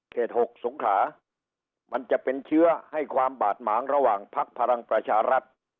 ๖สงขามันจะเป็นเชื้อให้ความบาดหมางระหว่างพักพลังประชารัฐ